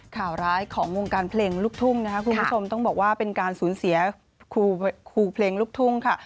ข่าวร้ายของวงการเพลงลูกทุ่งนะครับคุณผู้ชมต้องบอกว่าเป็นการสูญเสียครูเพลงลูกทุ่งค่ะ